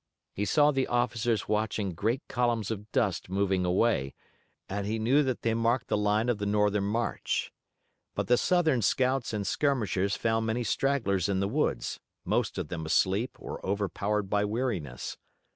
He saw the officers watching great columns of dust moving away, and he knew that they marked the line of the Northern march. But the Southern scouts and skirmishers found many stragglers in the woods, most of them asleep or overpowered by weariness.